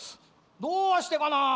どうしてかなあ。